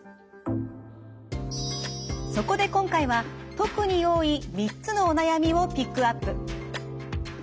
そこで今回は特に多い３つのお悩みをピックアップ。